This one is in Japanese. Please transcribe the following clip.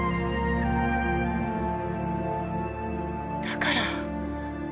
だから。